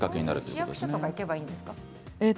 市役所に行けばいいんですか？